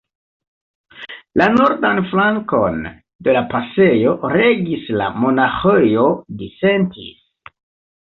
La nordan flankon de la pasejo regis la Monaĥejo Disentis.